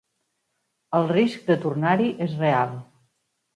El risc de tornar-hi és real.